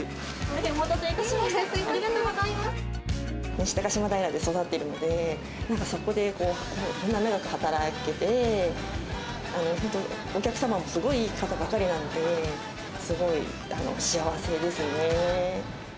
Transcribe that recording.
西高島平で育っているので、そこでこんなに長く働けて、本当、お客様もすごいいい方ばかりなので、すごい幸せですね。